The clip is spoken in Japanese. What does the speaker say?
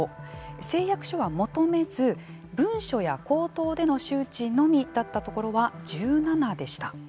誓約書は求めず文書や口頭での周知のみだったところは１７でした。